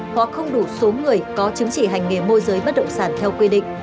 hoặc không đủ số người có chứng chỉ hành nghề môi giới bất động sản theo quy định